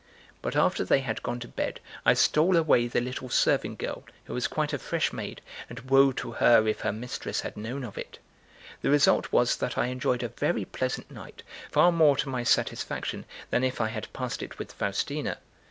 But after they had gone to bed, I stole away the little serving girl, who was quite a fresh maid, and woe to her if her mistress had known of it! The result was that I enjoyed a very pleasant night, far more to my satisfaction than if I had passed it with Faustina.